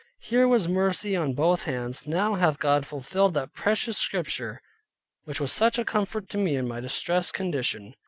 Here was mercy on both hands. Now hath God fulfilled that precious Scripture which was such a comfort to me in my distressed condition.